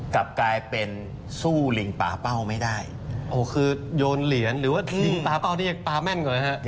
กลับกลายเป็นสู้ลิงป่าเป้าไม่ได้โอ้โหคือโยนเหรียญหรือว่าลิงปลาเป้านี่ยังปลาแม่นก่อนเลยฮะ